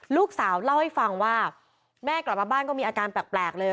ลูกสาวเล่าให้ฟังว่าแม่กลับมาบ้านก็มีอาการแปลกเลย